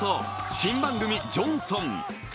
新番組「ジョンソン」。